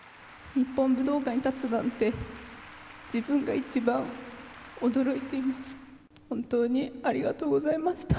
日本武道館に立つなんて、自分が一番驚いています。